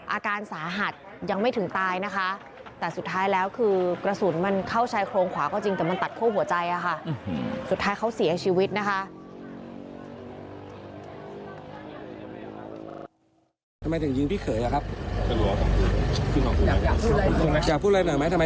อาการสาหัสยังไม่ถึงตายนะคะแต่สุดท้ายแล้วคือกระสุนมันเข้าชายโครงขวาก็จริงแต่มันตัดคั่วหัวใจอะค่ะสุดท้ายเขาเสียชีวิตนะคะ